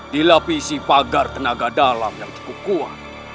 dilapisi pagar tenaga dalam yang cukup kuat